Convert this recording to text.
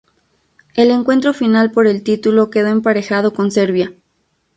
El encuentro final por el título, quedó emparejado con Serbia.